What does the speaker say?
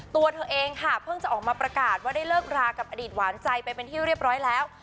ตัวเธอเองค่ะเพิ่งจะออกมาประกาศว่าได้เลิกรากับอดีตหวานใจไปเป็นที่เรียบร้อยแล้ว